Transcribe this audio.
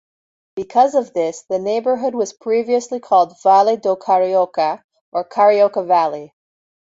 Because of this, the neighborhood was previously called "Vale do Carioca", or Carioca Valley.